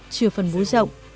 trừ phần bố rộng